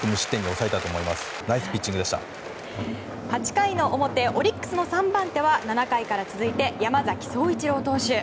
８回の表オリックスの３番手は７回から続いて山崎颯一郎投手。